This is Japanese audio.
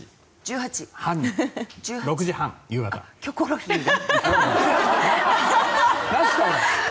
「キョコロヒー」ね。